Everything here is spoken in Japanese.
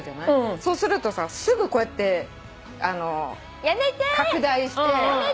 そうするとさすぐこうやって拡大して。